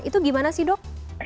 itu gimana sih dok